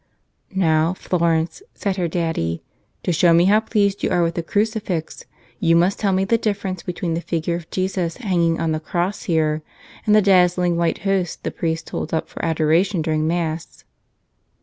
"Now, Florence," said her daddy, "to show me how pleased you are with the crucifix, you must tell me the difference between the figure of Jesus hang¬ ing on the cross here and the dazzling white Host the priest holds up for adoration during Mass."